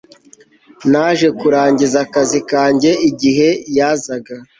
naje kurangiza akazi kanjye igihe yazaga